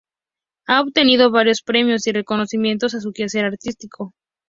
Ha obtenido varios premios y reconocimientos a su quehacer artístico.